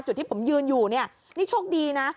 จุดที่ผมยืนอยู่เนี่ยนี่โชคดีนะ